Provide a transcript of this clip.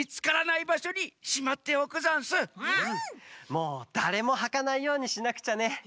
もうだれもはかないようにしなくちゃね。